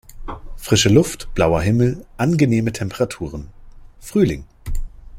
Frische Luft, blauer Himmel, angenehme Temperaturen: Frühling!